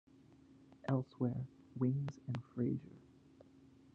Elsewhere", "Wings" and "Frasier".